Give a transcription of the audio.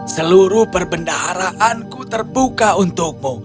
seluruh perbendaharaanku terbuka untukmu